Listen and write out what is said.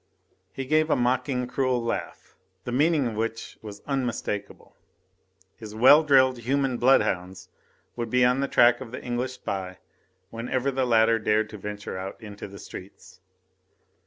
He gave a mocking, cruel laugh, the meaning of which was unmistakable. His well drilled human bloodhounds would be on the track of the English spy, whenever the latter dared to venture out into the streets.